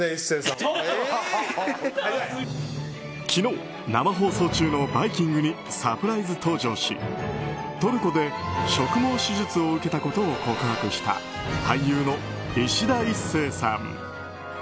昨日、生放送中の「バイキング」にサプライズ登場しトルコで植毛手術を受けたことを告白した俳優のいしだ壱成さん。